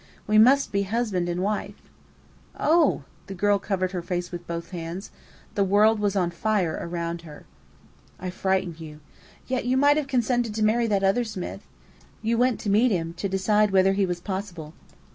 We must be husband and wife." "Oh!" The girl covered her face with both hands. The world was on fire around her. "I frighten you. Yet you might have consented to marry that other Smith. You went to meet him, to decide whether he was possible."